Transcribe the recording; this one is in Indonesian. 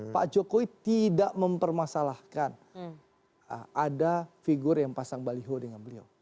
pak jokowi tidak mempermasalahkan ada figur yang pasang baliho dengan beliau